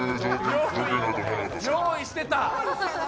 用意してた？